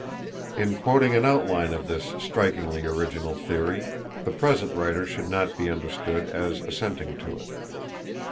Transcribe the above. In quoting an outline of this strikingly original theory the present writer should not be understood as assenting to it.